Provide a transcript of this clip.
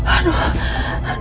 aduh aduh ini gimana ini